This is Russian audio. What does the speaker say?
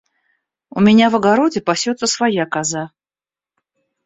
У меня в огороде пасётся своя коза.